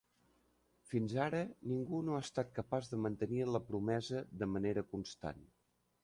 Fins ara ningú no ha estat capaç de mantenir la promesa de manera constant.